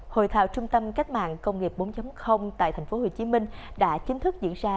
hội thảo trung tâm cách mạng công nghiệp bốn tại tp hcm đã chính thức diễn ra